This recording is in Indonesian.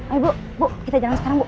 ayo bu kita jalan sekarang bu